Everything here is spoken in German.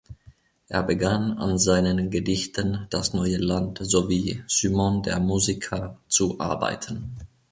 Er begann, an seinen Gedichten "Das neue Land" sowie "Symon der Musiker" zu arbeiten.